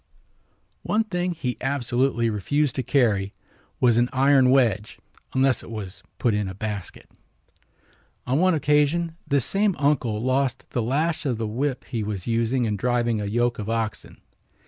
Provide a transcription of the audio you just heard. One thing he absolutely refused to carry was an iron wedge unless it was put in a basket. On one occasion this same uncle lost the lash of the whip he was using in driving a yoke of oxen.